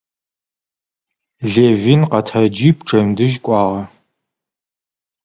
Левин встал и направился к двери.